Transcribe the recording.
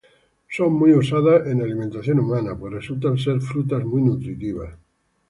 Son muy usados en alimentación humana, pues resultan ser frutas muy nutritivas.